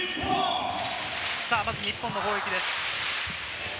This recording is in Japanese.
日本の攻撃です。